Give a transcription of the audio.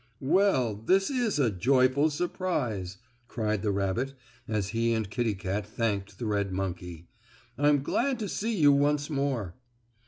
"Well, this is a joyful surprise!" cried the rabbit, as he and Kittie Kat thanked the red monkey. "I'm glad to see you once more."